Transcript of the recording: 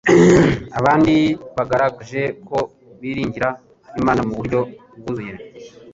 abandi bagaragaje ko biringira Imana mu buryo bwuzuye